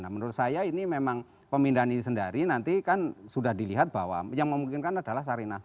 nah menurut saya ini memang pemindahan ini sendiri nanti kan sudah dilihat bahwa yang memungkinkan adalah sarinah